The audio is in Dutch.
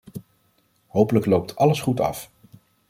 Hopelijk loopt alles goed af.